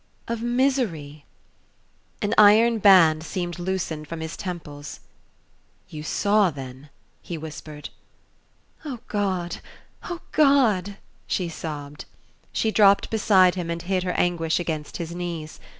"Of misery...." An iron band seemed loosened from his temples. "You saw then...?" he whispered. "Oh, God oh, God " she sobbed. She dropped beside him and hid her anguish against his knees.